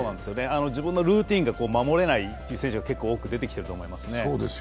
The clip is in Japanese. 自分のルーティンが守れない選手が結構出てきていると思います。